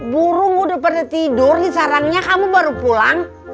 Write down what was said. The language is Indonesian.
burung udah pada tidur nih sarangnya kamu baru pulang